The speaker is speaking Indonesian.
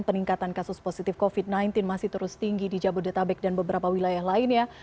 peningkatan kasus positif covid sembilan belas masih terus tinggi di jabodetabek dan beberapa wilayah lainnya